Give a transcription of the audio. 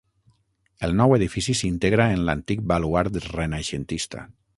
El nou edifici s'integra en l'antic baluard renaixentista.